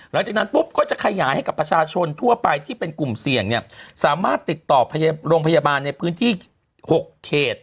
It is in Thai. หลังจากนั้นปุ๊บก็จะขยายให้กับประชาชนทั่วไปที่เป็นกลุ่มเสี่ยงเนี่ยสามารถติดต่อโรงพยาบาลในพื้นที่๖เขต